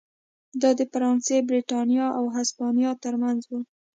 دا د فرانسې، برېټانیا او هسپانیا ترمنځ و.